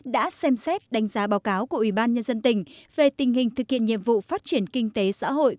đã xem xét đánh giá báo cáo của ủy ban nhân dân tỉnh về tình hình thực hiện nhiệm vụ phát triển kinh tế xã hội